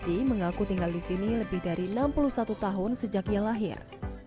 i mengaku tinggal di sini lebih dari enam puluh satu tahun sejak ia lahir